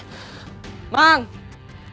cepet banget kelengnya